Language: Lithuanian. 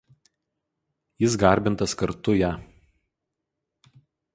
Jis garbintas kartu ja.